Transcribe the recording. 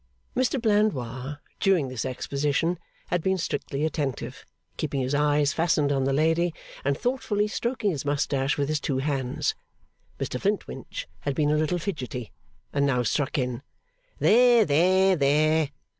Mr Blandois, during this exposition, had been strictly attentive, keeping his eyes fastened on the lady, and thoughtfully stroking his moustache with his two hands. Mr Flintwinch had been a little fidgety, and now struck in. 'There, there, there!